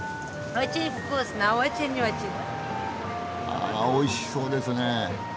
あおいしそうですねえ。